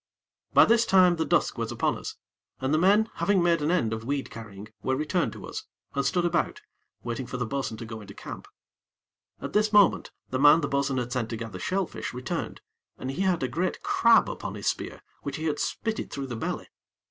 By this time the dusk was upon us, and the men, having made an end of weed carrying, were returned to us, and stood about, waiting for the bo'sun to go into camp. At this moment, the man the bo'sun had sent to gather shellfish, returned, and he had a great crab upon his spear, which he had spitted through the belly.